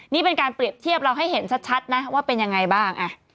นี่เป็นการเปรียบเทียบเราให้เห็นชัดนะว่าเป็นยังไงบ้าง